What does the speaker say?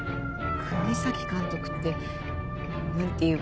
國東監督って何ていうか。